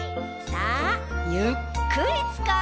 さあゆっくりつかろう！